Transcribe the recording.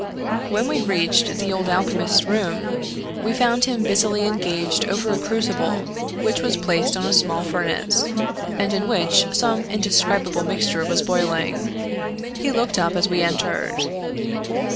When we reached the old alchemist's room, we found him busily engaged over a crucible which was placed on a small furnace, and in which some indescribable mixture was boiling. He looked up as we entered.